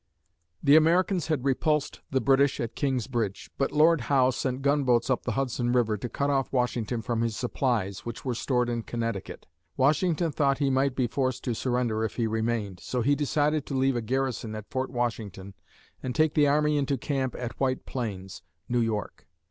The Americans had repulsed the British at King's Bridge, but Lord Howe sent gunboats up the Hudson River to cut off Washington from his supplies, which were stored in Connecticut. Washington thought he might be forced to surrender if he remained, so he decided to leave a garrison at Fort Washington and take the army into camp at White Plains (New York).